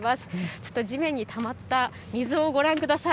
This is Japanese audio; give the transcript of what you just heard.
ちょっと地面にたまった水をご覧ください。